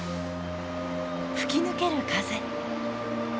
吹き抜ける風。